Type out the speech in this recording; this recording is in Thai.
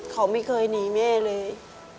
เขาไม่เคยหนีแม่เลย